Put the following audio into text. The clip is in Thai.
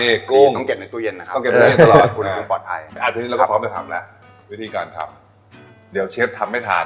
อยู่เพียรฟะ